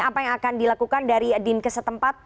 apa yang akan dilakukan dari dinkes setempat